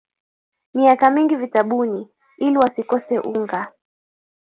Miaka mingi vitabuni, ili wasikose unga,